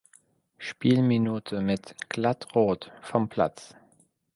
Spielminute mit „glatt rot“ vom Platz.